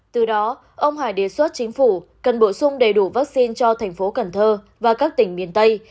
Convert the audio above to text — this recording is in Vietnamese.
từ đó ông hải đề xuất chính phủ cần bổ sung đầy đủ vaccine cho thành phố cần thơ và các tỉnh miền tây